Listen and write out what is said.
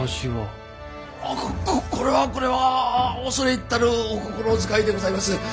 ここれはこれは恐れ入ったるお心遣いでございます！